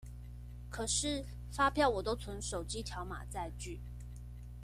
可是發票我都存手機條碼載具